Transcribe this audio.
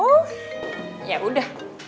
oh ya udah